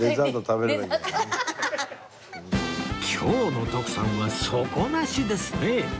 今日の徳さんは底なしですね